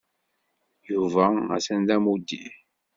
Yuba atan d amuddir.